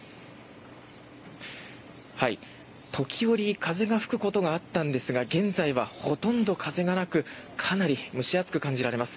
時折、風が吹くことがあったんですが現在はほとんど風がなくかなり蒸し暑く感じられます。